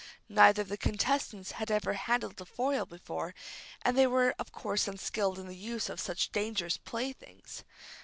Neither of the contestants had ever handled a foil before, and they were of course unskilled in the use of such dangerous playthings.